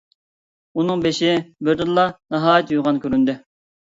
ئۇنىڭ بېشى بىردىنلا ناھايىتى يوغان كۆرۈندى.